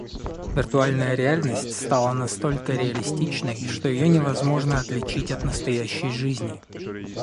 Виртуальная реальность стала настолько реалистичной, что ее невозможно отличить от настоящей жизни.